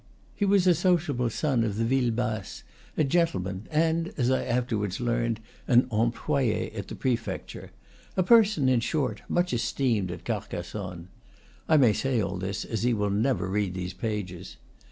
He was a sociable son of the ville basse, a gentleman, and, as I afterwards learned, an employe at the prefecture, a person, in short, much esteemed at Carcassonne. (I may say all this, as he will never read these pages.)